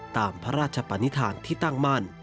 ตามพระราชปนิษฐานที่ตั้งมั่น